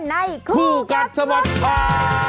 ในคู่กัดสมัดภาย